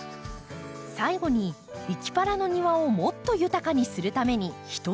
最後に「いきパラ」の庭をもっと豊かにするために一仕事。